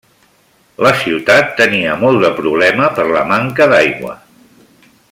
La ciutat tenia molt de problema per la manca d'aigua.